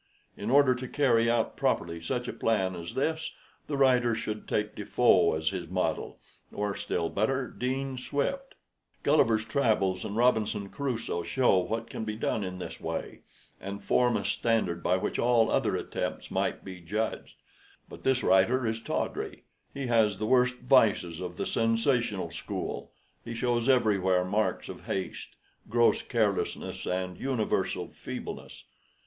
In order to carry out properly such a plan as this the writer should take Defoe as his model, or, still better, Dean Swift. Gulliver's Travels and Robinson Crusoe show what can be done in this way, and form a standard by which all other attempts must be judged. But this writer is tawdry; he has the worst vices of the sensational school he shows everywhere marks of haste, gross carelessness, and universal feebleness.